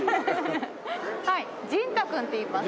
はいジンタ君っていいます。